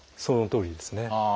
そのとおりですね。